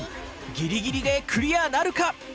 ギリギリでクリアなるか！